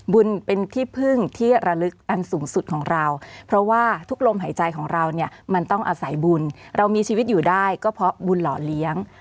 บุญเป็นที่พึ่งที่ระลึกอันสูงสุดของเราเพราะว่าทุกลมหายใจของเราเนี่ยมันต้องอาศัยบุญเรามีชีวิตอยู่ได้ก็เพราะบุญหล่อเลี้ยง